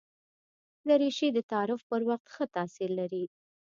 دریشي د تعارف پر وخت ښه تاثیر لري.